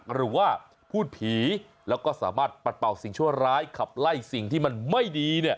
หรือว่าพูดผีแล้วก็สามารถปัดเป่าสิ่งชั่วร้ายขับไล่สิ่งที่มันไม่ดี